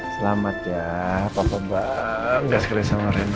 selamat yaa papa banget sekali sama reyna